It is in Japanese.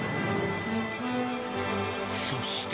そして。